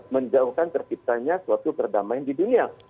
menjauhkan terciptanya suatu perdamaian di dunia